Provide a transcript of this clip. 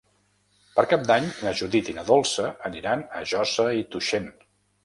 Per Cap d'Any na Judit i na Dolça aniran a Josa i Tuixén.